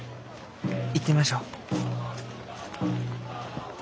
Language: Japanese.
行ってみましょう。